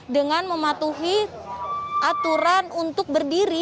dengan mematuhi aturan untuk berdiri